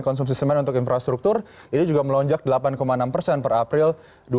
konsumsi semen untuk infrastruktur ini juga melonjak delapan enam persen per april dua ribu dua puluh